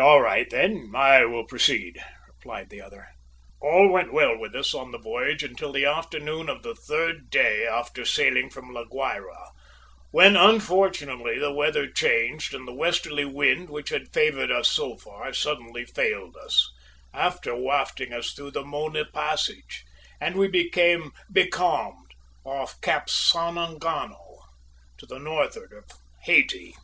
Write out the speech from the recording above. "All right, then, I will proceed," replied the other. "All went well with us on the voyage until the afternoon of the third day after sailing from La Guayra, when, unfortunately, the weather changed and the westerly wind, which had favoured us so far, suddenly failed us after wafting us through the Mona Passage, and we became becalmed off Cap San Engano, to the northward of Hayti."